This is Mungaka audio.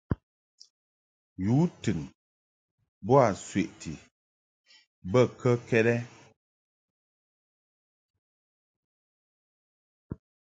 Yu tɨn boa sweʼti bə kəkɛd ?